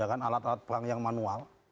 kan alat alat perang yang manual